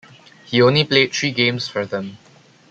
He only played three games for them.